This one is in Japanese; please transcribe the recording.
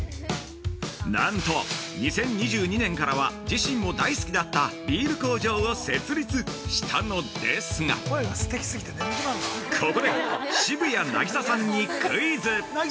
◆なんと、２０２２年からは自身も大好きだったビール工場を設立したのですがここで渋谷凪咲さんにクイズ！